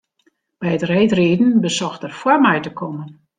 By it reedriden besocht er foar my te kommen.